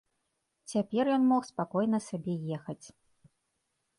Цяпер ён мог спакойна сабе ехаць.